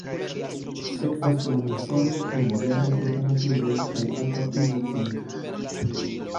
Sekvas la musono kun moderaj temperaturoj kaj alta pluvokvanto.